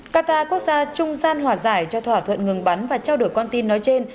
qatar quốc gia trung gian hòa giải cho thỏa thuận ngừng bắn và trao đổi con tin nói trên